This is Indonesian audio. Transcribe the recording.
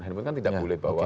handphone kan tidak boleh bawa